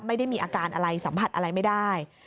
ไม่ได้มีอาการอะไรสัมผัสอะไรไม่ได้